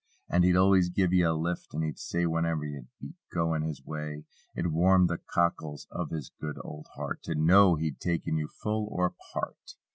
And he'd always "give ye a lift" as he'd say Whenever you'd be a going his way. It warmed the cockles of his good old heart To know he'd taken you "full" or "part."